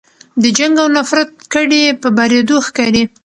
د جنګ او نفرت کډې په بارېدو ښکاري